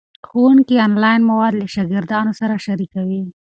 ښوونکي آنلاین مواد له شاګردانو سره شریکوي.